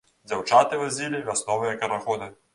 Дзяўчаты вадзілі вясновыя карагоды.